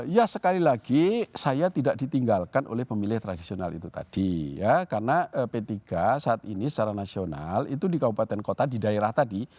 ya sekali lagi saya tidak ditinggalkan oleh pemilih tradisional itu tadi ya karena p tiga saat ini secara nasional itu di kabupaten kota di daerah tadi